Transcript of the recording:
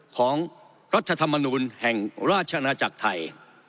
ของรัฐธรรมนุนแห่งราชนาจักรไทย